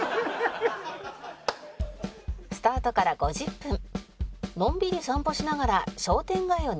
「スタートから５０分のんびり散歩しながら商店街を抜けて」